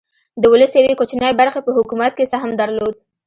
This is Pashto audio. د ولس یوې کوچنۍ برخې په حکومت کې سهم درلود.